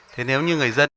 thế nếu như người dân